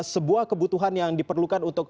sebuah kebutuhan yang diperlukan